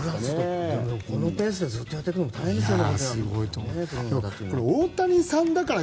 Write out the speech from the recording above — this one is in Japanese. でもこのペースでずっとやっていくの大変ですよね。